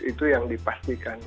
itu yang dipastikan